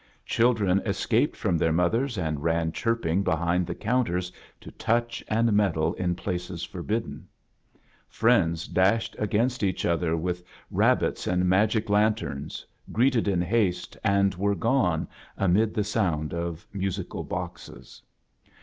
Children escaped from their mothers and ran chirping behind the counters to touch and meddle in places forbidden. Friends dashed against each Other with rabbits and magic lanterns, greeted in fiaste, and were gone, amid tfie sound of musical boxes.